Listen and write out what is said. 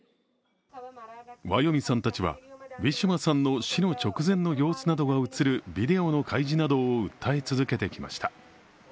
ワヨミさんたちはウィシュマさんの死の直前の様子などが映るビデオの開示などを訴え続けてきました。